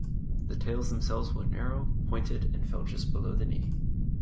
The tails themselves were narrow, pointed, and fell just below the knee.